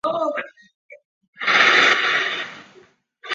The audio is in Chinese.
该建筑被列入瑞士国家和区域重要文化财产名录。